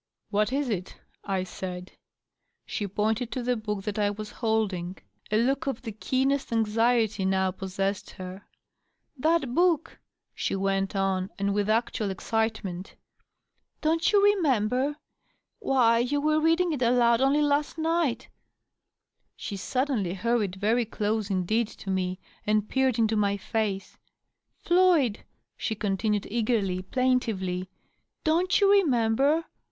" What is it?" I said. 624 DOUGLAS DUANE. She pointed to the book that I was holding. A look of the keenest anxiety now possessed her. " That book !" she went on, and with actual excitement, " Don't you remember f Why, you were reading it aloud only last night I" She suddenly hurried very close indeed to me and peered into my face, " Floyd," she continued, eagerly, plaintively, " donH you remember?"